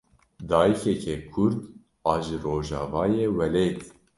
Dayîkeke kurd a ji rojavayê welêt.